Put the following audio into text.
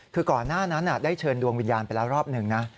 คือก่อนหน้านั้นได้เชิญดวงวิญญาณไปแล้วรอบหนึ่งนะ